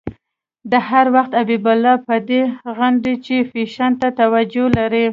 ده هر وخت حبیب الله په دې غندی چې فېشن ته توجه لري.